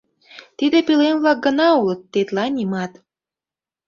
Тиде пӧлем-влак гына улыт, тетла нимат.